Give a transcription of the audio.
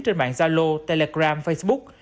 trên mạng zalo telegram facebook